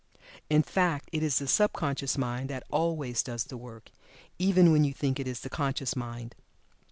In fact, it is the sub conscious mind that always does the work, even when you think it is the conscious mind.